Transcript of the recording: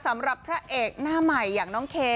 สำหรับพระเอกหน้าใหม่อย่างน้องเค